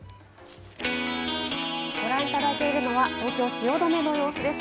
ご覧いただいているのは東京・汐留の様子です。